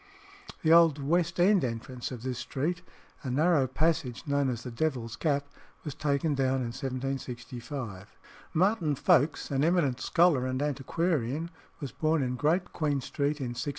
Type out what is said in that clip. The old West End entrance of this street, a narrow passage known as the "Devil's Gap," was taken down in 1765. Martin Folkes, an eminent scholar and antiquarian, was born in Great Queen Street in 1690.